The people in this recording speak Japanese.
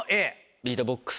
ビートボックス